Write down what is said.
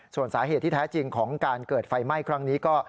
ส่วนสาเหตุที่แท้จริงของการเกิดไฟไหม้ครั้งนี้ก็